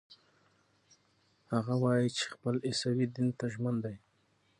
هغه وايي چې خپل عیسوي دین ته ژمن دی.